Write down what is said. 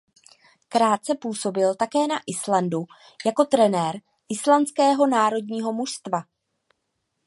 Krátce působil také na Islandu jako trenér islandského národního mužstva.